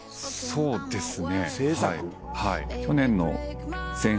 そうですね。